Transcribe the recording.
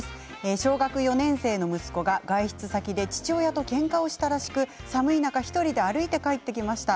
小学４年生の息子が外出先で父親とけんかをしたらしく寒い中１人で歩いて帰ってきました。